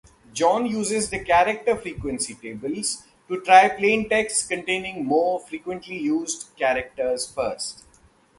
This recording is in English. John uses character frequency tables to try plaintexts containing more frequently used characters first.